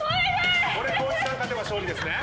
これ光一さん勝てば勝利ですね。